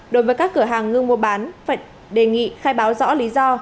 đối với các cửa hàng ngư mua bán phải đề nghị khai báo rõ lý do